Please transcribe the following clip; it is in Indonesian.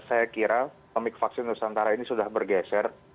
saya kira komik vaksin nusantara ini sudah bergeser